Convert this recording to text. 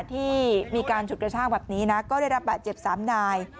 ที่มีการฉุดกระชากแบบนี้นะก็ได้รับบาดเจ็บ๓นาย